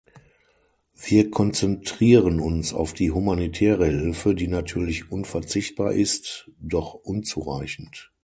Wir konzentrieren uns auf die humanitäre Hilfe, die natürlich unverzichtbar ist, doch unzureichend.